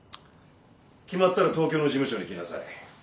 決まったら東京の事務所に来なさい。